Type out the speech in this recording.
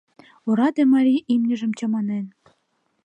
Ораде марий имньыжым чаманен!